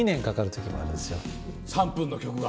３分の曲が？